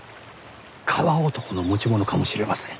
川男の持ち物かもしれません。